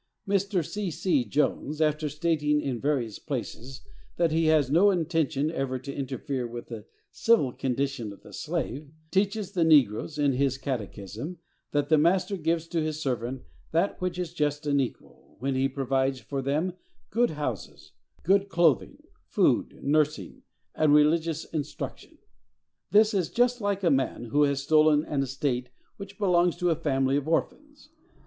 Mr. C. C. Jones, after stating in various places that he has no intention ever to interfere with the civil condition of the slave, teaches the negroes, in his catechism, that the master gives to his servant that which is just and equal, when he provides for them good houses, good clothing, food, nursing, and religious instruction. This is just like a man who has stolen an estate which belongs to a family of orphans.